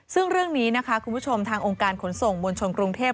ซึ่งเรื่องนี้นะคะคุณผู้ชมทางองค์การขนส่งมวลชนกรุงเทพ